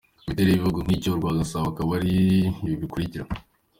Imiterere y’ibihugu-nkiko by’ urwa Gasabo akaba ari ibi bikurikira :.